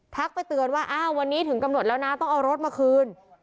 ไปเตือนว่าอ้าววันนี้ถึงกำหนดแล้วนะต้องเอารถมาคืน